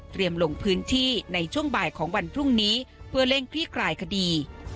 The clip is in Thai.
ลงพื้นที่ในช่วงบ่ายของวันพรุ่งนี้เพื่อเร่งคลี่คลายคดี